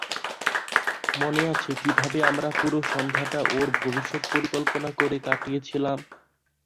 মনে আছে কিভাবে আমরা পুরো সন্ধ্যাটা ওর ভবিষ্যৎ পরিকল্পনা করে কাটিয়েছিলাম?